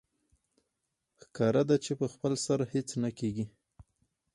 ښکاره ده چې په خپل سر هېڅ نه کېږي